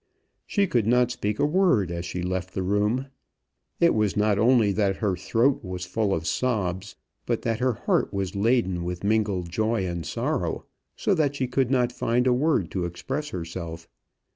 She could not speak a word as she left the room. It was not only that her throat was full of sobs, but that her heart was laden with mingled joy and sorrow, so that she could not find a word to express herself.